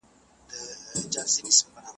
زده کوونکي باید و هڅول سي چي په پښتو بحث وکړي.